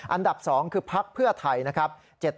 อันดับ๒คือพักเพื่อไทยนะครับ